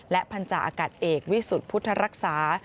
และพันธาอากาศเอกวิสุทธิ์พุทธรักษา